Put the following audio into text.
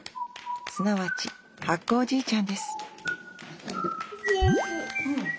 すなわち発酵おじいちゃんです